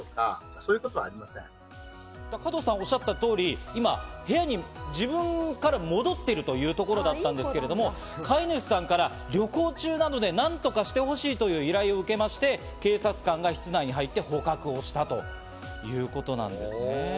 加藤さんがおっしゃった通り、今、部屋に自分から戻っているというところだったんですけど、飼い主さんから旅行中なので、何とかしてほしいという依頼を受けまして、警察官が室内に入って捕獲をしたということなんですね。